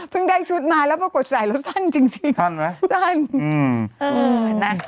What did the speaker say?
เพิ่งได้ชุดมาแล้วพอปลดใส่แล้วสั้นจริงจริงสั้นไหมสั้นอืมอืม